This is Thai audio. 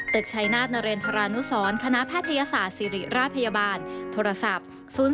ตึกใช้หน้านเรนธรานุสรคณะแพทยศาสตร์ศิริราชพยาบาลโทรศัพท์๐๒๔๑๙๗๖๔๖๔๘